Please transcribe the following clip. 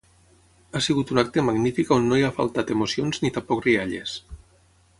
Ha sigut un acte magnífic on no hi ha faltat emocions ni tampoc rialles.